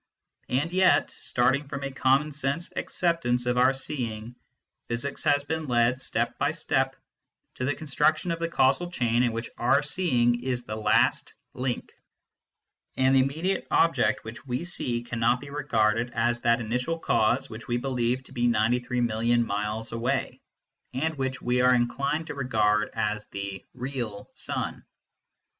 And yet, starting from a common sense acceptance of our seeing, physics has been led step by step to the construction of the causal chain in which our seeing is the last link, and the immediate object which we see cannot be regarded as that initial cause which we believe to be ninety three million miles away, and which we are inclined to regard as the " real " sun.